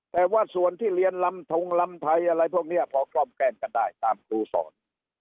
แต่ว่าส่วนที่เรียนลำทงลำไทยอะไรพวกนี้พอกล่อมแกล้งกันได้ตามครูสอน